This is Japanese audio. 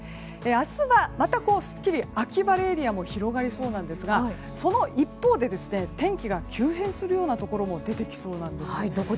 明日は、またすっきり秋晴れエリアも広がりそうですがその一方で天気が急変するようなところも出てきそうなんです。